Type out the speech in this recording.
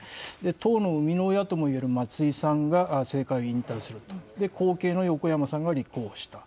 党の生みの親といえる松井さんが政界引退すると、後継の横山さんが立候補した。